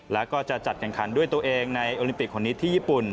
แล้วก็จะจัดแข่งขันด้วยตัวเองในโอลิมปิกคนนี้ที่ญี่ปุ่น